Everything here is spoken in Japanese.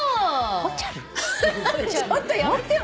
ちょっとやめてよ！